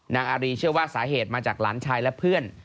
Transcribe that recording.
อารีเชื่อว่าสาเหตุมาจากหลานชายและเพื่อน